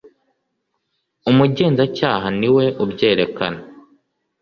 Umugenzacyaha niwe ubyerekana.